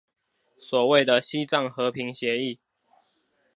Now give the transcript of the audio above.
所謂的西藏和平協議